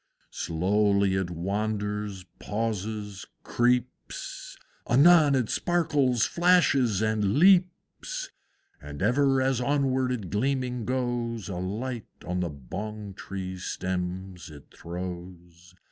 Slowly it wanders, pauses, creeps, Anon it sparkles, flashes, and leaps; And ever as onward it gleaming goes A light on the Bong tree stems it throws.